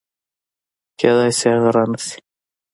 کېدای شي هغه رانشي